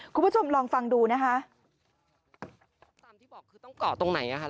คุณผู้ชมลองฟังดูนะคะ